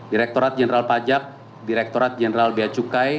direkturat jenderal pajak direkturat jenderal bia cukai